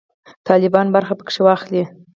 طالبان برخه پکښې واخلي.